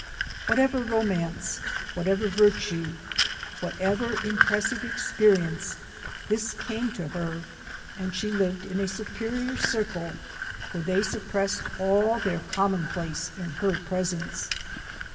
Whatever romance^ whatever virtue_, whatever impressive experience, — this came to her; and she lived in a superior circle; for they suppressed all their common place in her presence.